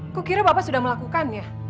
aku kira bapak sudah melakukannya